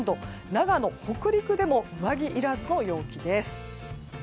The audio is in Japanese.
長野、北陸でも上着いらずの陽気です。